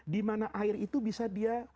dimana air itu bisa dia